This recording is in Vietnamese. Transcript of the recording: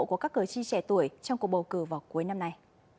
của các cờ chi trẻ tuổi trong cuộc bầu cử vào cuối năm nay